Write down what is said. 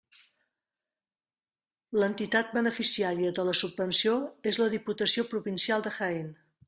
L'entitat beneficiària de la subvenció és la Diputació Provincial de Jaén.